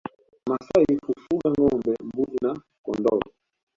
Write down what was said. Wamasai hufuga ngombe mbuzi na kondoo